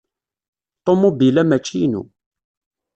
Ṭumubil-a mačči inu.